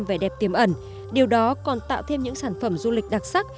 vẻ đẹp tiềm ẩn điều đó còn tạo thêm những sản phẩm du lịch đặc sắc